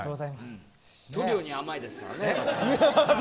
トリオに甘いですからね。